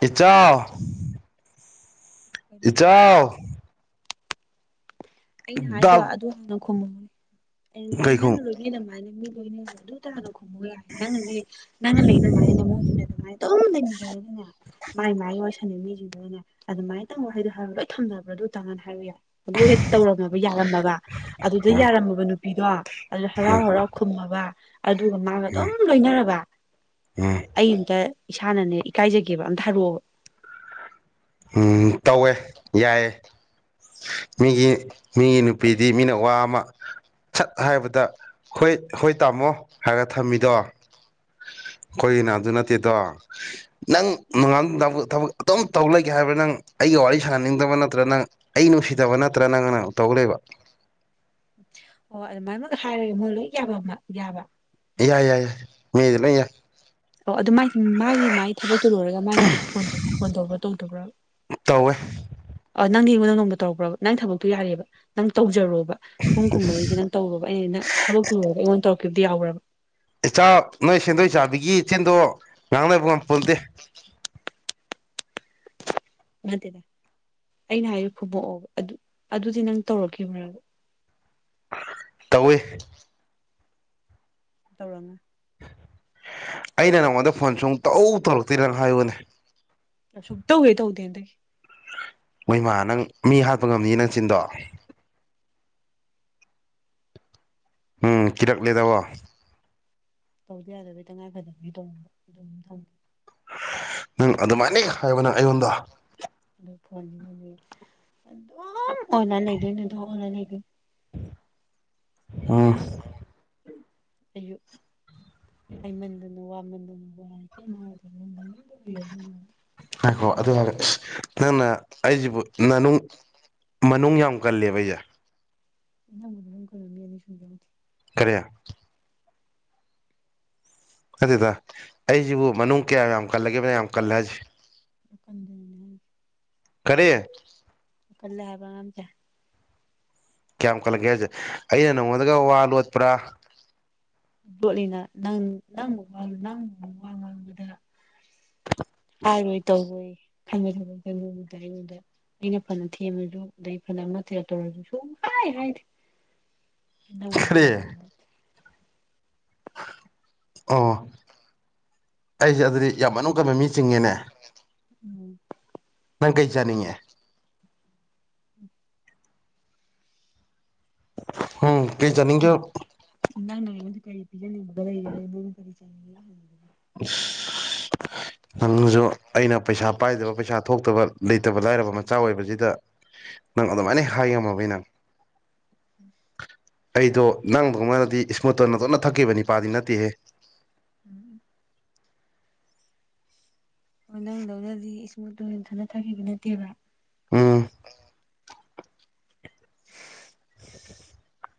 ꯏꯇꯥꯎ ꯀꯔꯤꯅꯣ ꯏꯇꯥꯎ ꯑꯩꯅ ꯍꯥꯏꯗꯣ ꯗꯞ ꯑꯗꯨ ꯍꯥꯟꯅ ꯈꯨꯝꯃꯝꯃꯨꯅꯦ ꯑꯩ ꯅꯪꯅ ꯀꯩꯈꯨꯝ ꯃꯤ ꯑꯗꯨꯃꯥꯏꯅ ꯃꯤ ꯂꯣꯏꯅꯕ ꯑꯗꯨꯇ ꯍꯟꯅꯥ ꯈꯨꯝꯃꯣ ꯌꯥꯏ ꯅꯪꯅ ꯅꯦ ꯅꯪꯅ ꯂꯩ ꯑꯗꯨꯃꯥꯏꯅ ꯅꯃꯧꯁꯨ ꯑꯗꯨꯃꯥꯏꯅ ꯑꯗꯨꯝ ꯂꯩꯃꯤꯟꯅꯔꯒꯅꯦ ꯃꯥꯏ ꯃꯥꯥꯏ ꯋꯥꯏ ꯁꯥꯟꯅꯩ ꯃꯤꯁꯤꯡꯗꯨꯅ ꯅꯦ ꯑꯗꯨꯃꯥꯏꯅ ꯇꯧꯕ ꯍꯥꯏꯗꯣ ꯍꯥꯏꯕ ꯂꯣꯏ ꯊꯝꯅꯕꯔꯣ ꯑꯗꯨꯇꯡ ꯍꯟ ꯍꯥꯏꯌꯨ ꯌꯥꯏ ꯑꯗꯨꯍꯦ ꯇꯧꯔꯝꯃꯕ ꯌꯥꯔꯝꯃꯕ ꯑꯗꯨꯗ ꯎꯝ ꯌꯥꯔꯝꯃꯕ ꯅꯨꯄꯤꯗꯣ ꯑꯗꯨꯗ ꯍꯔꯥꯎ ꯎꯝ ꯍꯔꯥꯎ ꯈꯨꯝꯃꯕ ꯑꯗꯨꯒ ꯃꯥꯒ ꯎꯝ ꯑꯗꯨꯝ ꯂꯣꯏꯅꯔꯕ ꯎꯝ ꯑꯩ ꯑꯝꯇ ꯏꯁꯥꯅꯅꯦ ꯏꯀꯥꯏꯖꯒꯦꯕ ꯑꯝꯇ ꯍꯥꯏꯔꯛꯑꯣꯕ ꯎꯝ ꯇꯧꯋꯦ ꯌꯥꯏꯌꯦ ꯃꯤꯒꯤ ꯃꯤꯒꯤ ꯅꯨꯄꯤꯗꯤ ꯃꯤꯅ ꯋꯥ ꯑꯃ ꯁꯠ ꯍꯥꯏꯕꯗ ꯍꯣꯏ ꯍꯣꯏ ꯇꯥꯃꯣ ꯍꯥꯏꯔ ꯊꯝꯃꯤꯗꯣ ꯑꯩꯈꯣꯏꯒꯤꯅ ꯑꯗꯨ ꯅꯠꯇꯦꯗꯣ ꯅꯪ ꯅꯣꯡꯉꯥꯟ ꯊꯕꯛ ꯑꯗꯨꯝ ꯇꯧ ꯂꯩꯒꯦ ꯍꯥꯏꯕ꯭ꯔꯥ ꯅꯪ ꯑꯩꯒ ꯋꯥꯔꯤ ꯁꯥꯟꯅꯅꯤꯡꯗꯕ ꯅꯠꯇ꯭ꯔꯒ ꯅꯪ ꯑꯩ ꯅꯨꯡꯁꯤꯗꯕ ꯅꯠꯇ꯭ꯔ ꯅꯪꯅ ꯇꯧ ꯂꯩꯕ ꯑꯣ ꯑꯗꯨꯃꯥꯏꯅ ꯃꯛ ꯍꯥꯏꯔꯒ ꯃꯣꯏ ꯂꯣꯏ ꯌꯥꯝꯃꯝꯕ ꯌꯥꯕ ꯌꯥꯏ ꯌꯥꯏ ꯌꯥꯏ ꯃꯤꯗꯤ ꯂꯣꯏ ꯌꯥꯏ ꯑꯣ ꯑꯗꯨꯥꯏ ꯃꯥꯒꯤ ꯃꯥꯒꯤ ꯊꯕꯛꯇꯣ ꯂꯣꯏꯔꯒ ꯃꯥꯏ ꯅꯨꯄꯤꯗꯨꯣꯣꯟ ꯐꯣꯟ ꯇꯧꯕ꯭ꯔꯥ ꯇꯧꯗꯕ꯭ꯔꯥ ꯇꯧꯋꯦ ꯅꯪꯗꯤ ꯑꯩꯉꯣꯟ ꯅꯣꯡꯃꯗ ꯇꯧꯔꯛꯄ꯭ꯔꯕ ꯅꯪ ꯊꯕꯛꯇꯣ ꯌꯥꯔꯦꯕ ꯅꯪ ꯇꯧꯖꯔꯣꯕ ꯄꯨꯡ ꯀꯨꯝꯃꯩꯁꯦ ꯅꯪ ꯇꯧꯕꯕ ꯑꯩꯅ ꯊꯕꯛ ꯊꯨꯉꯒ ꯑꯩꯉꯣꯟ ꯇꯧꯔꯛꯈꯤꯕꯗꯨꯗꯤ ꯌꯥꯎꯕ꯭ꯔꯕ ꯏꯆꯥ ꯅꯣꯏ ꯁꯦꯟꯗꯣꯏ ꯆꯥꯕꯤꯒꯤ ꯏꯆꯦꯟꯗꯣ ꯉꯥꯡꯅꯕ ꯉ ꯄꯣꯟꯗꯦ ꯅꯠꯇꯦꯗ ꯑꯩꯅ ꯍꯥꯏꯌ ꯈꯨꯕꯣꯛꯑꯣꯕ ꯑꯗꯨ ꯑꯗꯨꯗꯤ ꯅꯪ ꯇꯧꯔꯛꯈꯤꯕ꯭ꯔꯕ ꯇꯧꯏ ꯇꯧꯔꯝꯃꯅꯤ ꯑꯩꯅ ꯅꯪꯉꯣꯟꯗ ꯐꯣꯟ ꯁꯨ ꯇꯧ ꯇꯧꯔꯛꯇꯦꯗꯅ ꯍꯥꯏꯌꯨꯅꯦ ꯑꯁꯨꯛ ꯇꯧꯍꯦꯛꯇꯧꯗꯦꯍꯟꯗꯛꯒꯤ ꯃꯣꯏꯃ ꯅꯪ ꯃꯤ ꯍꯥꯠꯄ ꯉꯝꯅꯤ ꯅꯪ ꯆꯤꯟꯗꯣ ꯎꯝ ꯀꯤꯔꯛꯂꯦꯗꯕꯣ ꯇꯧꯗꯤ ꯌꯥꯗꯕꯒꯤ ꯇꯉꯥꯏꯐꯗꯕꯒꯤ ꯇꯧꯅꯤꯡꯝꯕ ꯑꯗꯨꯝ ꯊꯝꯖ ꯅꯪ ꯑꯗꯨꯃꯥꯏꯅ ꯍꯥꯏꯕ ꯅꯪ ꯑꯩꯉꯣꯟꯗ ꯑꯗꯨ ꯐꯣꯟꯁꯤꯅꯗꯤ ꯑꯗꯨꯝ ꯑꯣꯟꯅ ꯂꯩꯗꯣꯏꯅꯣ ꯑꯗꯨꯝ ꯑꯣꯟꯅ ꯂꯩꯗꯣꯏ ꯑꯥ ꯑꯌꯨꯛ ꯍꯩꯃꯟꯗꯟ ꯋꯥꯃꯟꯗꯅ ꯋꯥꯏ ꯀꯩꯝ ꯍꯥꯏꯗꯔꯕꯅꯤ ꯅꯨꯡꯗꯤꯟꯁꯨ ꯎꯥꯏꯔꯝꯅꯤꯅꯦ ꯉꯥꯏꯈꯣ ꯑꯗꯨ ꯍꯥꯏꯔꯒ ꯑꯆ ꯅꯪꯅ ꯑꯩꯁꯤꯕꯨ ꯅꯅꯨꯡ ꯃꯅꯨꯡ ꯌꯥꯝ ꯀꯜꯂꯦꯕ ꯑꯩꯁꯦ ꯅꯪꯅ ꯑꯗꯨꯝ ꯀꯣꯏꯔꯃꯤ ꯑꯅꯤ ꯁꯨꯝ ꯌꯥꯎꯗꯦ ꯈꯔꯦ ꯅꯠꯇꯦꯗ ꯑꯩꯁꯤꯕꯨ ꯃꯅꯨꯡ ꯀꯌꯥꯝ ꯌꯥꯝ ꯀꯜꯂꯒꯦꯕ ꯅꯪꯅ ꯌꯥꯝ ꯀꯜꯂꯦ ꯍꯥꯏꯁꯦ ꯀꯟꯕꯅꯦ ꯀꯔꯤ ꯀꯜꯂꯦ ꯍꯥꯏꯕ ꯉꯝꯇꯦ ꯀꯌꯥꯝ ꯀ꯭ꯜꯂꯒꯦ ꯍꯥꯏꯁꯦ ꯑꯩꯅ ꯅꯪꯉꯣꯟꯗꯒ ꯋꯥ ꯂꯣꯠꯄꯔꯥ ꯕꯣꯠꯅꯤꯅ ꯅꯪ ꯅꯪꯕꯨ ꯅꯪꯕꯨ ꯋꯥ ꯉꯥꯡꯕꯗ ꯍꯥꯏꯔꯣꯏ ꯇꯧꯔꯣꯏ ꯈꯟꯕ ꯈꯟꯕ ꯊꯥꯕꯛꯇ ꯑꯩꯉꯣꯟꯗ ꯑꯩꯅ ꯐꯅ ꯊꯦꯝꯃꯁꯨ ꯑꯗꯩ ꯐꯅ ꯑꯃ ꯊꯤꯔꯛꯇꯧꯔꯁꯨ ꯁꯨꯝ ꯍꯥꯏ ꯍꯥꯏꯗꯦ ꯀꯔꯤ ꯏꯅꯅꯣꯡ ꯀꯗꯦ ꯑꯣ ꯑꯩꯁꯦ ꯑꯗꯨꯗꯤ ꯌꯥꯝ ꯑꯅꯝ ꯀꯟꯕ ꯃꯤ ꯆꯤꯡꯉꯦꯅꯦ ꯎꯝ ꯅꯪ ꯀꯩ ꯆꯥꯅꯤꯡꯉꯦ ꯎꯝ ꯀꯩ ꯆꯅꯤꯡꯒꯦ ꯅꯪꯅ ꯑꯩꯉꯣꯟꯗ ꯀꯔꯤ ꯄꯤꯖꯅꯤꯡꯕꯒ ꯂꯩꯔꯗꯅ ꯑꯩꯉꯣꯟꯗ ꯀꯔꯤ ꯆꯥꯅꯤꯡꯒꯦ ꯒ ꯍꯪꯏꯗꯨꯕꯣ ꯏꯁ ꯅꯪꯁꯨ ꯑꯩꯅ ꯄꯩꯁꯥ ꯄꯥꯏꯗꯕ ꯄꯩꯁꯥ ꯊꯣꯛꯇꯕ ꯂꯩꯇꯕ ꯂꯥꯏꯔꯕ ꯑꯆꯥ ꯑꯣꯏꯕꯁꯤꯗ ꯅꯪ ꯑꯗꯨꯃꯥꯏꯅ ꯍꯥꯏꯉꯝꯃꯕꯅꯤ ꯅꯪ ꯎꯝ [inaudible] ꯑꯩꯗꯣ ꯅꯪꯕꯒ ꯃꯥꯅꯗꯤ ꯏꯁꯃꯨꯇꯔꯅ ꯇꯣꯅ ꯊꯛꯈꯤꯕ ꯅꯤꯄꯥꯗꯤ ꯅꯠꯇꯦꯍꯦ ꯎꯝ ꯑꯣ ꯅꯪꯗꯧꯅꯗꯤ ꯏꯁꯃꯨꯠꯇꯨ ꯅꯊꯟꯗ ꯊꯛꯈꯤꯕ ꯅꯠꯇꯦꯕ ꯎꯝ [inaudible]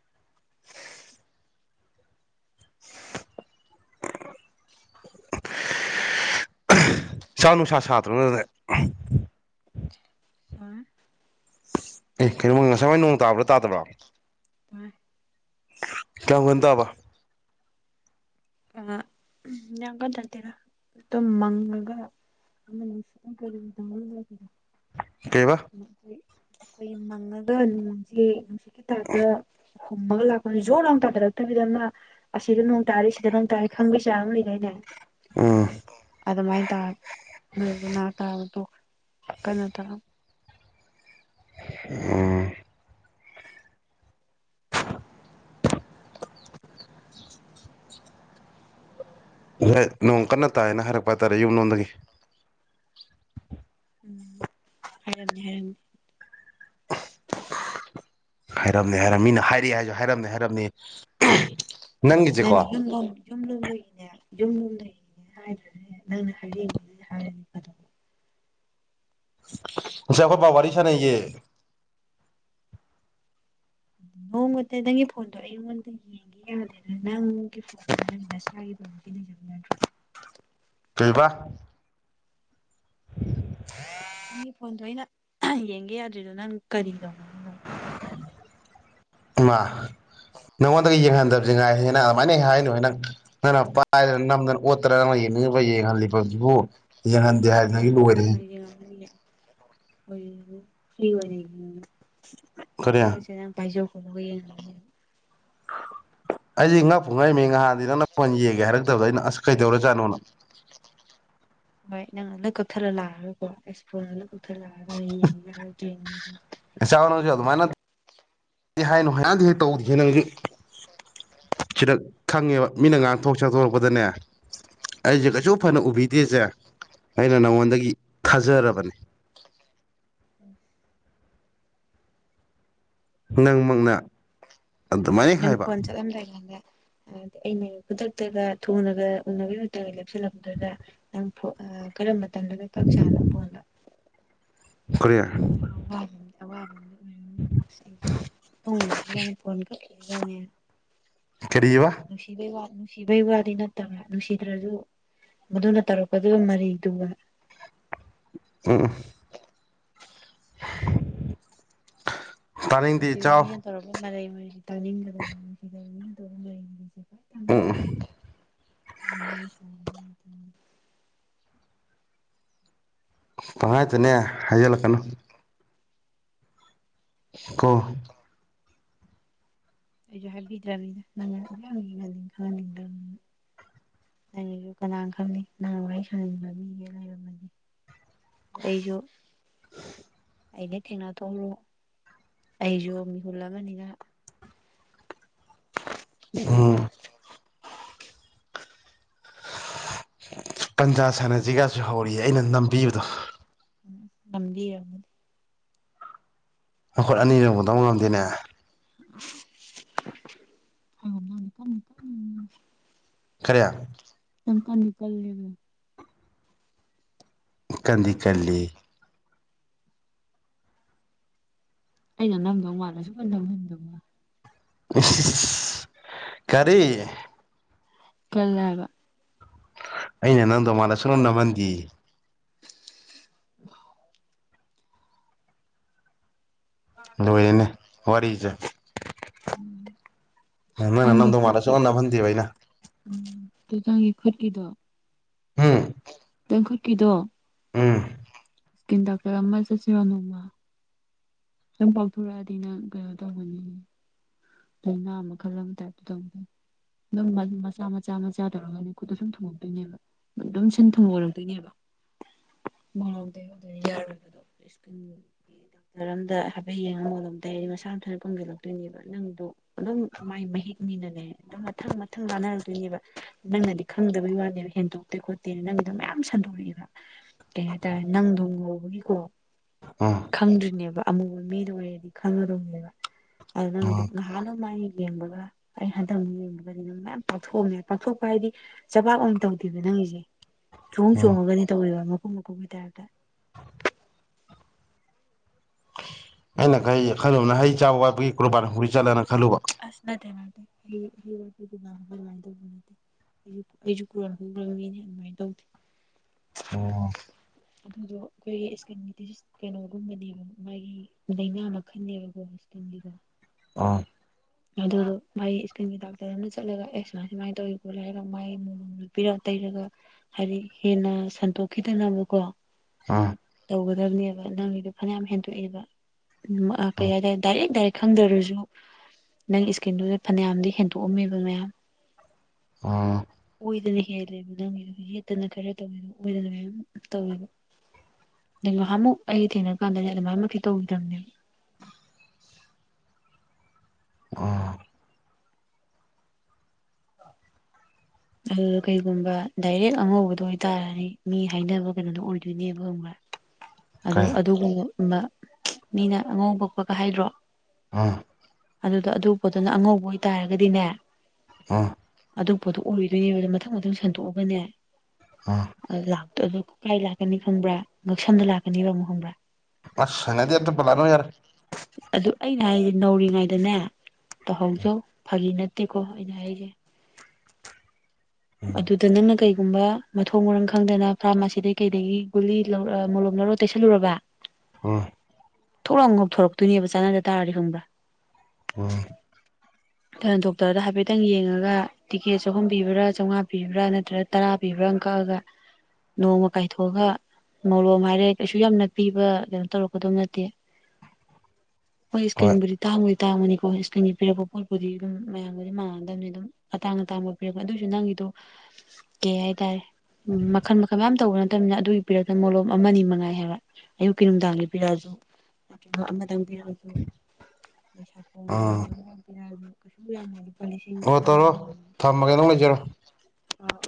ꯁꯥ ꯅꯨꯡꯁꯥ ꯁꯥꯇ꯭ꯔꯕꯅꯦ ꯁꯥꯔ ꯑꯦ ꯀꯩꯅꯣ ꯉꯁꯥꯏ ꯅꯣꯡ ꯇꯥꯕ꯭ꯔꯥ ꯇꯥꯕ꯭ꯔꯣ ꯇꯥꯏ ꯀꯌꯥꯝ ꯀꯟ ꯇꯥꯕꯥ ꯑ ꯌꯥꯝ ꯀꯟ ꯅꯠꯇꯦꯗꯥ ꯑꯗꯨꯝ ꯃꯪꯉꯒ ꯑ ꯀꯔꯗ ꯀꯗ [unintelligible] ꯀꯩꯕ ꯑꯩꯈꯣꯏꯒꯤ ꯃꯪꯉꯒ ꯅꯣꯡꯁꯤ ꯅꯨꯡꯁꯤꯠꯀꯤ ꯇꯥꯏꯄ ꯇꯥ ꯍꯨꯝꯃꯒ ꯂꯥꯛꯄꯅꯤ ꯖꯣꯔ ꯂꯥꯎꯅꯥ ꯇꯥꯗꯔꯛꯇꯕꯤꯗ ꯑꯃꯥ ꯑꯁꯤꯗ ꯅꯣꯡ ꯇꯥꯔꯤ ꯁꯤꯗ ꯅꯣꯡ ꯇꯥꯔꯤ ꯈꯪꯕꯩ ꯆꯥꯡ ꯑꯃ ꯂꯩꯗꯥꯏꯅꯦ ꯎꯝ ꯑꯗꯨꯃꯥꯏꯅ ꯇꯧꯔꯒ ꯑꯗꯨꯗꯣ ꯅꯥ ꯇꯥꯕꯗꯣ ꯀꯟꯅꯣ ꯇꯧ ꯎꯝ ꯍ ꯅꯣꯡ ꯀꯟꯅ ꯇꯥꯏꯌꯦꯅ ꯍꯥꯏꯔꯛꯄ ꯍꯥꯏꯇꯥꯔꯦ ꯌꯨꯝ ꯌꯣꯣꯟꯗꯒꯤ ꯎꯝ ꯍꯥꯏꯔꯝꯅꯤ ꯍꯥꯏꯔꯝꯅꯤ ꯍꯥꯏꯔꯝꯅꯦ ꯍꯥꯏꯔꯅꯤ ꯃꯤꯅ ꯍꯥꯏꯔꯛꯑꯦ ꯍꯥꯏꯁꯨ ꯍꯥꯏꯔꯝꯅꯦ ꯍꯥꯏꯔꯝꯅꯤ [unintelligible] ꯌꯨꯝ ꯂꯨꯝ ꯗꯒꯤꯅꯦ ꯌꯨꯝ ꯂꯣꯝꯗꯒꯤꯅꯦ ꯍꯥꯏꯗ꯭ꯔꯁꯨ ꯌꯥꯏ ꯅꯪꯅ ꯍꯥꯏꯔꯛꯏ ꯃꯤꯗꯨꯗꯥ ꯍꯥꯏꯔꯗꯤ ꯐꯗꯣꯕꯥ ꯁꯤ ꯑꯩꯈꯣꯏ ꯄꯕꯥ ꯋꯥꯔꯤ ꯁꯅꯩꯌꯦ ꯍ ꯃꯦ ꯅꯪꯤ [unintelligible] ꯐꯣꯟꯗꯣ ꯑꯩꯉꯣꯟꯗꯪꯤ ꯪ ꯌꯥꯗꯦ ꯑꯗꯨ ꯅꯪꯒꯤ ꯐꯣꯟꯗꯨꯗ ꯅꯪꯒꯤ ꯅꯁ꯭ꯔꯥꯒꯤ ꯄꯕꯗꯤ ꯂꯩꯖꯕ ꯅꯠꯇ꯭ꯔꯣ ꯀꯩꯑꯥꯕ ꯅꯪꯒꯤ [inaudible] ꯐꯣꯟꯗꯣ ꯑꯩꯅ ꯌꯦꯡꯒꯦ ꯌꯥꯗ꯭ꯔꯤꯗꯣ ꯅꯪ ꯀꯔꯤ ꯇꯧꯕꯥꯒꯤꯅꯣ ꯏꯃꯥ ꯅꯪꯉꯣꯟꯗꯒꯤ ꯌꯦꯡꯍꯟꯗꯕꯁꯦ ꯉꯥꯏꯔꯦ ꯍꯦ ꯑꯗꯨꯃꯥꯏꯅ ꯍꯦꯛ ꯍꯥꯏꯅꯨ ꯍꯦ ꯅꯪ ꯅꯪꯅ ꯄꯥꯏꯗꯅ ꯅꯝꯗꯅ ꯑꯣꯠꯇꯅꯥ ꯅꯪꯅ ꯌꯦꯡꯅꯤꯡꯉꯤꯕ ꯌꯦꯡꯍꯜꯂꯤꯕꯁꯤꯕꯨ ꯌꯦꯡꯍꯟ ꯑ ꯃ ꯍ ꯐꯖ [unintelligible] ꯀꯔꯤ ꯁꯦ ꯁꯦ ꯅꯪ ꯄꯥꯏꯖꯧ ꯑꯩꯗꯤ ꯉꯥꯛꯄꯨ ꯉꯛꯏꯅꯤ ꯉꯍꯥꯟꯗꯤ ꯅꯪꯅ ꯐꯣꯟ ꯌꯦꯡꯒꯦ ꯍꯥꯏꯔꯛꯇꯕꯗ ꯑꯩꯅ ꯑꯁ ꯀꯩꯗꯧꯔꯥꯖꯥꯅꯣꯅꯣ ꯍꯣꯏ ꯅꯪꯅꯥ ꯂꯣꯏꯅꯥ ꯀꯛꯊꯠꯂ ꯂꯥꯛꯔꯣꯏꯀꯣ ꯏꯁ ꯐꯣꯟꯒꯥ ꯂꯣꯏꯅꯥ ꯀꯛꯊꯠꯂꯛꯑꯒ ꯌꯦꯡꯒꯦꯒꯥ ꯍꯥꯏꯔꯛꯇꯣꯏꯅꯤ ꯑꯦꯁꯅ ꯑꯗꯨꯃꯥꯏꯅ [unintelligible] ꯍꯥꯏꯅꯨ ꯍꯥꯟꯗꯤ ꯍꯦꯛ ꯇꯧꯗꯦ ꯅꯪꯒꯤ ꯁꯤꯗ ꯈꯪꯉꯦꯕ ꯃꯤꯅ ꯉꯥꯡꯊꯣꯛ ꯁꯛꯇꯣꯛꯔꯛꯄꯗꯅꯦ ꯑꯩꯁꯦ ꯀꯩꯁꯨ ꯐꯅ ꯎꯕꯤꯗꯦꯁꯦ ꯑꯩꯅ ꯅꯉꯣꯟꯗꯒꯤ ꯊꯥꯖꯔꯕꯅꯦ ꯅꯪꯃꯛꯅ ꯑꯗꯨꯃꯥꯏꯅ ꯅꯪ ꯍꯥꯏꯕ [unintelligible] ꯑꯩꯅ ꯈꯨꯗꯛꯇꯒ ꯊꯨꯅꯒ ꯎꯅꯕꯒꯤꯗ ꯂꯦꯞꯁꯤꯜꯂꯝꯛꯄꯗꯨꯗ ꯅꯪ ꯀꯔꯝꯕ ꯃꯇꯝꯗꯅ ꯀꯛ ꯆꯥꯅ ꯐꯣꯟꯗꯣ ꯀꯔꯤ ꯋꯥꯕ ꯑꯋꯥꯕ ꯑ ꯑꯣꯏꯔꯝꯅꯤ ꯑꯁ ꯇꯣꯡꯉꯦꯔꯅꯤ ꯐꯣꯟ ꯍꯔꯣꯅꯦ [unintelligible] ꯀꯔꯤꯑꯥꯕ ꯅꯨꯡꯁꯤꯕꯩ ꯋꯥ ꯅꯨꯡꯁꯤꯕꯩ ꯋꯥꯗꯤ ꯅꯠꯇꯕ꯭ꯔꯥ ꯅꯨꯡꯁꯤꯗ꯭ꯔꯁꯨ ꯃꯗꯨꯅ ꯇꯧꯔꯛꯄꯗꯨꯒ ꯃꯔꯩꯗꯨꯒꯥ ꯎ ꯇꯥꯅꯤꯡꯗꯦ ꯅꯨꯡꯁꯤꯕ ꯏꯆꯥꯎ ꯃꯤꯅ ꯇꯧꯔꯒ ꯃꯔꯩ ꯃꯔꯩꯁꯤ ꯇꯥꯅꯤꯡꯒꯗꯧꯕꯅꯤ ꯅꯨꯉꯁꯤꯗꯕ ꯃꯤꯅ ꯇꯧꯕ ꯃꯔꯩꯅꯤ ꯎꯝ ꯎꯝ ꯊꯉꯥꯏꯇꯦꯅꯦ ꯍꯥꯏꯩꯂꯛ ꯀꯅꯨ ꯀꯣ ꯑꯩꯁꯨ ꯍꯥꯏꯕꯤꯗ꯭ꯔꯕꯤꯗ ꯅꯪꯅ ꯈꯪꯍꯟꯅꯤꯡꯗꯅ ꯅꯪꯒꯤꯁꯨ ꯀꯅꯥ ꯈꯪꯅꯤ ꯅꯪ ꯋꯥꯔꯤ ꯁꯟꯅꯅꯤꯡꯕ ꯃꯤꯒ ꯂꯩꯔꯝꯃꯗꯤ ꯑꯩꯁꯨ ꯑꯩꯩꯅ ꯊꯦꯡꯅ ꯊꯣꯛꯎꯔꯣ ꯑꯩꯁꯨ ꯃꯤꯍꯨꯜ ꯑꯃꯅꯤꯅ ꯑꯝ ꯄꯟꯖꯥ ꯁꯥꯟꯅꯖꯤꯒꯥꯁꯨ ꯍꯧꯔꯤꯌꯦ ꯑꯩꯅ ꯅꯝꯕꯤꯕꯗꯣ ꯎ ꯉꯗꯤ ꯌꯥꯝꯗꯤ [unintelligible] ꯃꯈꯨꯠ ꯑꯅꯤ ꯇꯧꯕꯗꯕꯨ ꯉꯝꯗꯦꯅꯦ ꯍ ꯅꯤꯀꯝꯅꯤꯀꯝ [inaudible] ꯀꯔꯤ ꯆꯪꯀꯥ ꯅꯤꯀꯜꯂꯕ ꯀꯟꯗꯤ ꯀꯜꯂꯤ ꯑꯩꯅ ꯅꯝꯗꯧ ꯃꯥꯜꯂ ꯁꯨꯡꯅꯝ ꯅꯝꯍꯟꯗꯕ ꯋꯥꯅꯦ ꯏꯁ ꯀꯔꯤ ꯀꯜꯂꯦ ꯍꯥꯏꯕ ꯑꯩꯅ ꯅꯝꯗꯧ ꯃꯥꯥꯟꯂ ꯁꯨꯡꯅꯝ ꯅꯝꯍꯟꯗꯦꯌꯦ ꯑ [unintelligible] ꯂꯣꯏꯔꯦꯜꯅꯦ ꯋꯥꯔꯤꯁꯦ ꯅꯪ ꯅꯪ ꯅꯪꯒꯤ ꯅꯝꯗꯧ ꯈꯨꯠ ꯃꯥꯥꯜꯂ ꯁꯨꯡꯅꯝꯅ ꯅꯝꯍꯟꯗꯦꯕ ꯑꯩꯅ ꯎꯝ ꯇꯨ ꯅꯪꯒꯤ ꯈꯨꯠꯒꯤꯗꯣ ꯎꯝ ꯗꯣ ꯈꯨꯠꯀꯤꯗꯣ ꯎꯝ ꯏꯁꯀꯤꯟ ꯇꯥꯛꯇꯔ ꯑꯃ ꯆꯠꯁꯤꯔꯣ ꯅꯣꯡꯃ ꯅꯪ ꯄꯥꯚꯊꯣꯔꯛꯑꯗꯤ ꯅꯪ ꯀꯩꯅꯣ ꯇꯧꯕꯅꯤ ꯂꯩꯅꯥ ꯃꯈꯜ ꯑꯃꯥ ꯇꯥꯏꯄ ꯇꯥ ꯇꯧꯏ ꯑꯗꯨꯝ ꯃꯆꯥ ꯃꯆꯥ ꯃꯆꯥ ꯇꯧꯔꯒꯅꯤ ꯈꯨꯠꯇ ꯁꯨꯝ ꯊꯨꯡꯉꯛꯇꯣꯏꯅꯦꯕ ꯑꯗꯨꯝ ꯁꯤꯟ ꯊꯨꯝ ꯃꯔꯛꯇꯣꯏꯅꯦꯕ ꯊꯧꯗꯣꯏ ꯍꯧꯗꯣꯏ ꯌꯥꯔꯣꯏꯒꯗꯣ ꯗꯣꯛꯇꯔ ꯑꯝꯗ ꯍꯥꯏꯐꯦꯠ ꯌꯦꯡꯉ ꯃꯣꯂꯣꯝ ꯇꯩꯔꯦ ꯃꯁꯥ ꯃꯊꯟꯗ ꯀꯪꯁꯤꯜꯂꯛꯇꯣꯏꯅꯦꯕ ꯅꯪ ꯑꯗꯨ ꯑꯗꯨꯝ ꯃꯥꯏ ꯃꯍꯤꯛꯅꯤꯅꯅꯦ ꯑꯗꯨꯝ ꯃꯊꯪ ꯃꯊꯪ ꯂꯥꯟꯅꯔꯛꯇꯣꯏꯅꯦꯕ ꯅꯪꯅꯗꯤ ꯈꯪꯗꯕꯩ ꯋꯥꯅꯦꯕ ꯍꯦꯟꯗꯣꯛꯇꯦ ꯈꯣꯠꯇꯦꯅ ꯅꯪꯒꯤꯗꯣ ꯃꯌꯥꯝ ꯁꯟꯗꯣꯔꯛꯑꯦꯕ ꯀꯩ ꯍꯥꯏꯇꯥꯔꯦ ꯅꯪꯗꯣꯡ ꯉꯧꯕꯒꯤꯀꯣ ꯎꯝ ꯈꯪꯗ꯭ꯔꯤꯅꯦꯕ ꯑꯃꯨꯕ ꯃꯤꯗ ꯑꯣꯏꯔꯗꯤ ꯈꯪꯗꯧꯅꯦꯕ ꯑꯗꯨ ꯅꯪ ꯎꯝ ꯅꯍꯥꯟꯅꯃꯥꯏ ꯌꯦꯡꯕꯒ ꯑꯩ ꯍꯟꯊꯛ ꯌꯦꯡꯕꯒꯗꯤ ꯑꯗꯨ ꯃꯌꯥꯝ ꯄꯥꯛꯊꯣꯛꯑꯅꯦ ꯄꯥꯛꯊꯣꯛꯄ ꯍꯥꯏꯗꯤ ꯆꯄꯥꯛ ꯑꯣꯏꯅ ꯇꯧꯗꯦꯕ ꯅꯪꯒꯤꯁꯦ ꯆꯣꯡ ꯎꯝ ꯆꯣꯡꯉꯒꯗꯤ ꯇꯧꯕ ꯃꯀꯨꯝ ꯃꯀꯨꯝꯒꯤ ꯇꯥꯏꯔꯞꯇ ꯑꯩꯅ ꯀꯩ ꯈꯜꯂꯨꯕꯅ ꯍꯩ ꯆꯥꯕ ꯋꯥꯠꯄꯒꯤ ꯀ꯭ꯔꯣꯔꯕꯥꯟ ꯍꯨꯔꯤ ꯆꯠꯂꯅ ꯈꯜꯂꯨꯕ ꯑꯁ ꯅꯠꯇꯦ ꯅꯠꯇꯦ [unintelligible] ꯑꯩꯁꯨ ꯑꯩꯁꯨ ꯀꯨꯔꯣꯟ ꯍꯨꯔꯕ ꯃꯤꯅꯦ ꯑꯗꯨꯃꯥꯏꯅ ꯇꯧꯗꯦ ꯑꯣ ꯑꯗꯨꯗꯣ ꯑꯩꯈꯣꯏꯒꯤ ꯏꯁꯀꯤꯟꯒꯤꯗꯤ ꯀꯩꯅꯣꯒꯨꯝꯕꯅꯦꯕ ꯃꯥꯒꯤ ꯂꯥꯏꯅꯥ ꯃꯈꯜꯅꯦꯕꯀꯣ ꯏꯁꯀꯤꯟꯒꯤꯗꯣ ꯑꯣ ꯑꯗꯨ ꯃꯥꯒꯤ ꯏꯁꯀꯤꯟꯒꯤ ꯗꯥꯛꯇꯔ ꯑꯃꯅ ꯆꯠꯂꯒ ꯑꯦꯛꯁꯔꯥ ꯁꯨꯃꯥꯏꯅ ꯇꯧꯔꯤ ꯈꯣꯠꯂ ꯍꯥꯏꯔꯒ ꯃꯥꯒꯤ ꯃꯣꯂꯣꯝꯗ ꯄꯤꯔꯛꯕ ꯇꯩꯔꯒ ꯍꯥꯏꯗꯤ ꯍꯦꯟꯅ ꯁꯟꯗꯣꯛꯈꯤꯗꯅꯕꯀꯣ ꯑꯥ ꯇꯧꯒꯗꯕꯅꯦꯕ ꯅꯪꯒꯤꯗꯣ ꯐꯅꯌꯥꯝ ꯍꯦꯟꯗꯣꯛꯑꯦꯕ ꯀꯩ ꯎꯝ ꯍꯥꯏꯇꯥꯔꯦ ꯗꯥꯏꯔꯦꯛ ꯗꯥꯏꯔꯦꯛ ꯈꯪꯗ꯭ꯔꯁꯨ ꯅꯪꯒꯤ ꯏꯁꯀꯤꯟꯗꯨꯗ ꯐꯅꯌꯥꯝꯗꯤ ꯍꯦꯟꯗꯣꯛꯑꯝꯃꯦꯕ ꯃꯌꯥꯝ ꯑꯥ ꯑꯣꯏꯗꯅ ꯍꯦꯜꯂꯦꯕ ꯅꯪꯒꯤꯗꯣ ꯌꯦꯠꯇꯅ ꯈꯔ ꯇꯧꯋꯦꯕ ꯑꯣꯏꯗꯅ ꯃꯌꯥꯝ ꯇꯧꯋꯦꯕ ꯉꯥꯍꯟꯃꯨꯛ ꯑꯩꯒ ꯊꯦꯡꯅꯔ ꯀꯥꯟꯗꯗꯤ ꯑꯗꯨꯃꯥꯏꯃꯛꯇꯤ ꯇꯧꯒꯤꯗꯕꯅꯤ ꯎꯝ ꯑꯗꯨ ꯀꯩꯒꯨꯝꯕ ꯗꯥꯏꯔꯦꯛ ꯑꯉꯧꯕꯗꯣ ꯑꯣꯏꯇꯥꯔꯗꯤ ꯃꯤ ꯍꯥꯏꯅꯕ ꯀꯩꯅꯣꯗꯣ ꯑꯣꯏꯗꯣꯏꯅꯦꯕ ꯈꯪꯕ꯭ꯔꯥ ꯑꯗꯨ ꯀꯩ ꯑꯗꯨꯒꯨꯝꯕ ꯃꯤꯅ ꯑꯉꯧꯕ ꯄꯛꯄꯒ ꯍꯥꯏꯗ꯭ꯔꯣ ꯑꯥ ꯑꯗꯨꯗ ꯑꯗꯨ ꯄꯣꯠꯇꯨꯅ ꯑꯉꯧꯕ ꯑꯣꯏꯇꯥꯔꯒꯗꯤꯅꯦ ꯍꯥ ꯑꯗꯨ ꯄꯣꯠꯇꯣ ꯑꯣꯏꯗꯣꯏꯅꯦꯕꯗ ꯃꯊꯪ ꯃꯊꯪ ꯁꯟꯗꯣꯛꯑꯒꯅꯦ ꯎꯝ ꯂꯥꯛꯇꯣꯏꯕ ꯀꯥꯏ ꯂꯥꯛꯀꯅꯤ ꯈꯪꯕ꯭ꯔꯥ ꯉꯛꯁꯝꯗ ꯂꯥꯛꯀꯅꯤ ꯑꯃꯛ ꯈꯪꯕ꯭ꯔꯥ ꯑꯁ ꯍꯩꯅꯗꯦ ꯑꯗꯨ ꯄꯜꯂꯛ ꯑꯅꯨ ꯌꯥꯔꯦ ꯑꯗꯨ ꯑꯩꯅ ꯍꯥꯏꯁꯦ ꯅꯧꯔꯤꯉꯩꯗꯅꯦ ꯇꯧꯍꯧꯖꯧ ꯐꯥꯒꯤ ꯅꯠꯇꯦꯀꯣ ꯑꯩꯅ ꯍꯥꯏꯖꯦ ꯑꯗꯨꯗ ꯅꯪꯅ ꯀꯩꯒꯨꯝꯕ ꯃꯊꯣꯡ ꯃꯔꯝ ꯈꯪꯗꯅ ꯐꯥꯔꯃꯥꯁꯤꯗꯒꯤꯩ ꯀꯩꯗꯒꯤ ꯒꯨꯂꯤ ꯂꯧꯔ ꯃꯣꯂꯣꯝ ꯂꯧꯔ ꯇꯩꯁꯜꯂꯨꯔꯕ ꯑꯣ ꯊꯣꯛꯂꯥꯎ ꯉꯧꯊꯣꯔꯛꯇꯣꯏꯅꯦ ꯆꯥꯟꯅꯗꯕ ꯇꯥꯔꯗꯤ ꯈꯪꯕ꯭ꯔꯥ ꯎꯝ ꯊꯟ ꯗꯣꯛꯇꯔꯗ ꯍꯥꯏꯐꯦꯠꯇꯪ ꯌꯦꯡꯉꯥꯒ ꯇꯤꯛꯀꯦꯠ ꯆꯥꯍꯨꯝ ꯄꯤꯕ꯭ꯔꯥ ꯆꯧꯉꯥ ꯄꯤꯕꯔꯥ ꯅꯠꯇ꯭ꯔꯒ ꯇꯔꯥ ꯄꯤꯕ꯭ꯔꯥ ꯑꯃ ꯀꯛꯑꯒ ꯅꯣꯡꯃ ꯀꯥꯏꯊꯣꯛꯑꯒ ꯃꯣꯔꯣꯝ ꯍꯥꯏꯔꯦ ꯀꯩꯁꯨ ꯌꯥꯝꯅ ꯄꯤꯕ ꯀꯩꯅꯣ ꯇꯧꯔꯛꯀꯗꯕ ꯅꯠꯇꯦ ꯍꯣꯏ ꯏꯁꯀ꯭ꯔꯤꯟꯕꯨꯗꯤ ꯇꯥꯡꯃꯗꯤ ꯇꯥꯡꯕꯅꯤꯀꯣ ꯏꯁꯀ꯭ꯔꯤꯟꯒꯤ ꯄꯤꯔꯛꯄ ꯄꯣꯠꯄꯨꯗꯤ ꯑꯗꯨꯝ ꯃꯌꯥꯝꯕꯨꯗꯤ ꯃꯥꯟꯅꯗꯕꯅꯤ ꯑꯗꯨꯝ ꯑꯇꯥꯡ ꯑꯇꯥꯡꯕ ꯄꯤꯔꯛꯄ ꯑꯗꯨꯑꯣꯏꯁꯨ ꯅꯪꯒꯤꯗꯣ ꯀꯩ ꯍꯥꯏꯇꯥꯔꯦ ꯎꯝ ꯃꯈꯜ ꯃꯈꯜ ꯃꯌꯥꯝ ꯇꯧꯕ ꯅꯠꯇꯕꯅꯤꯅ ꯑꯗꯨꯒꯤ ꯄꯤꯔꯛꯇ ꯃꯣꯂꯣꯝ ꯑꯃꯅꯤ ꯃꯉꯥꯏ ꯍꯥꯏꯕ ꯑꯌꯨꯛꯀꯤ ꯅꯨꯡꯗꯥꯡꯒꯤ ꯄꯤꯔꯛꯑꯁꯨ ꯅꯠꯇ꯭ꯔꯒ ꯑꯃ ꯈꯤꯇꯪ ꯄꯤꯔꯛꯑꯁꯨ ꯑꯗꯩ ꯑꯥ ꯁꯥꯄꯣꯟꯒꯨꯝꯕ ꯄꯤꯔꯛꯑꯁꯨ ꯀꯩꯁꯨ ꯌꯥꯝ ꯂꯩ ꯑꯣꯣ ꯇꯧꯔꯣ ꯊꯝꯃꯒꯦ ꯅꯪ ꯂꯩꯖꯔꯣ ꯑꯥꯎ